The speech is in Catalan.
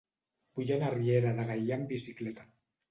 Vull anar a la Riera de Gaià amb bicicleta.